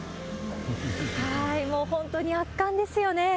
もう本当に圧巻ですよね。